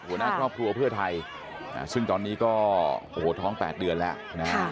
หัวหน้าครอบครัวเพื่อไทยซึ่งตอนนี้ก็โอ้โหท้อง๘เดือนแล้วนะฮะ